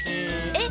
えっ？